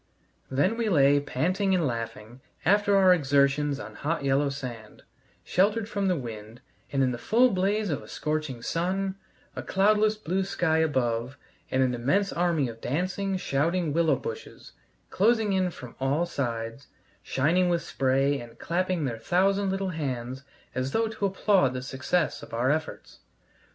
Then we lay panting and laughing after our exertions on hot yellow sand, sheltered from the wind, and in the full blaze of a scorching sun, a cloudless blue sky above, and an immense army of dancing, shouting willow bushes, closing in from all sides, shining with spray and clapping their thousand little hands as though to applaud the success of our efforts.